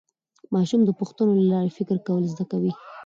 ماشومان د پوښتنو له لارې فکر کول زده کوي